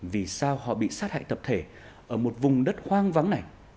vì sao họ bị sát hại tập thể ở một vùng đất hoang vắng này